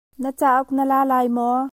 Na cauk na la lai maw?